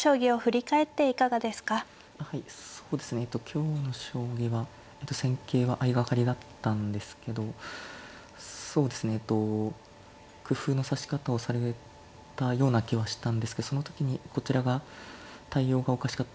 今日の将棋は戦型は相掛かりだったんですけどそうですねえっと工夫の指し方をされたような気はしたんですけどその時にこちらが対応がおかしかったような気がします。